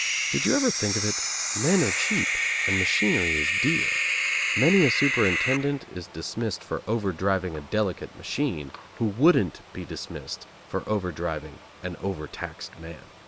Did you never think of it, men are cheap, and machinery is dear; many a superintendent is dismissed for overdriving a delicate machine, who wouldn't be dismissed for overdriving an overtaxed man.